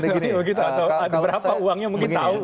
atau ada berapa uangnya mungkin tahu